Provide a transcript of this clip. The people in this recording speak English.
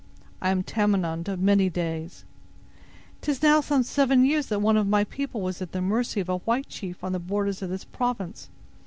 "I am Tamenund of many days." "'Tis now some seven years that one of thy people was at the mercy of a white chief on the borders of this province.